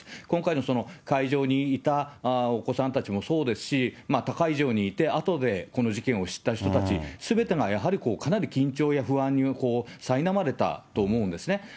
今回の会場にいたお子さんたちもそうですし、他会場にいて、あとでこの事件を知っていた人、すべてがやはりかなり緊張や不安にさいなまれたと思うんですね。